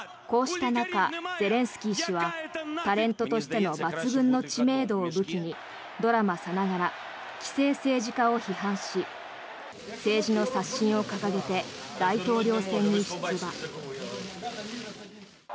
こうした中、ゼレンスキー氏はタレントとしての抜群な知名度を武器にドラマさながら既成政治家を批判し政治の刷新を掲げて大統領選に出馬。